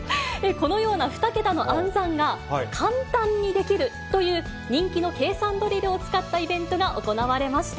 このような２桁の暗算が、簡単にできるという人気の計算ドリルを使ったイベントが行われました。